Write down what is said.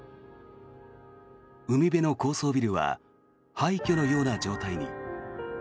海辺の高層ビルは廃虚のような状態に。